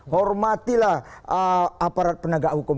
hormatilah aparat penegak hukum